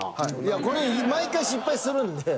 これ毎回失敗するんで。